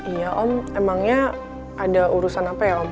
iya om emangnya ada urusan apa ya om